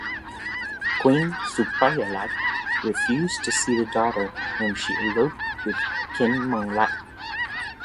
Queen Supayalat refused to see the daughter when she eloped with Khin Maung Lat.